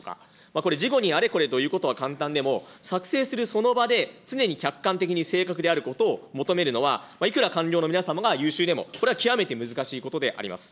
これ、事後にあれこれと言うことは簡単でも、作成するその場で、常に客観的に正確であることを求めるのは、いくら官僚の皆様が優秀でも、これは極めて難しいことであります。